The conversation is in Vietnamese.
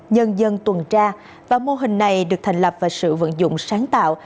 nhân dân tuần tra và mô hình này được thành lập và sự vận dụng sáng tạo